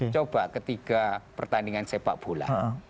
coba ketiga pertandingan sepak bola